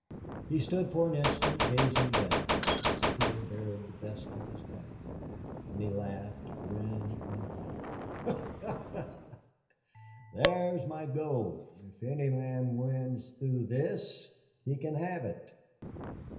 He stood for an instant gazing down, as if he had buried the best of his life. Then he laughed grim and hard. "There's my gold! If any man wins through this he can have it!"